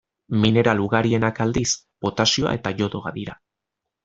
Mineral ugarienak, aldiz, potasioa eta iodoa dira.